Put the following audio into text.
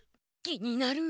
気になる。